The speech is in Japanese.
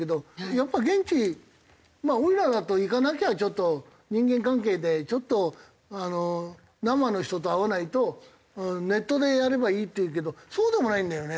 やっぱ現地まあおいらだと行かなきゃ人間関係でちょっと生の人と会わないとネットでやればいいっていうけどそうでもないんだよね。